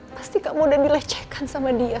pasti kamu dan dilecehkan sama dia